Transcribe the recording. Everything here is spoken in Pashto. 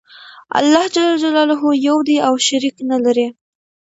الله ج یو دی او شریک نلری.